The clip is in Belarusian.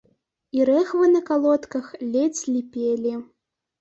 І рэхвы на калодках ледзь ліпелі.